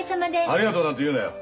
ありがとうなんて言うなよ。